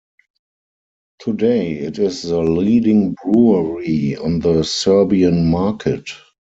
Today, it is the leading brewery on the Serbian market.